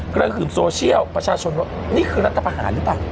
กระหึ่มโซเชียลประชาชนว่านี่คือรัฐประหารหรือเปล่า